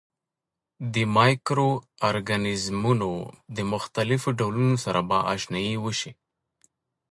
د مایکرو ارګانیزمونو د مختلفو ډولونو سره به آشنايي وشي.